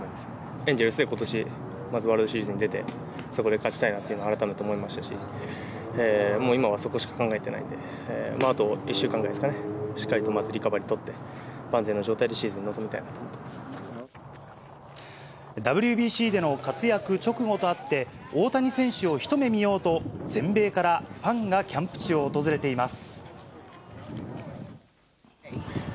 エンゼルスでことし、まずワールドシリーズに出て、そこで勝ちたいなっていうのは改めて思いましたし、もう今はそこしか考えてないんで、あと１週間ぐらいですかね、しっかりとリカバリーを取って、万全の状態でシＷＢＣでの活躍直後とあって、大谷選手を一目見ようと、全米からファンがキャンプ地を訪れています。